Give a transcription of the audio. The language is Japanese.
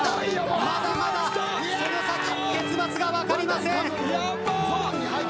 まだまだ結末が分かりません。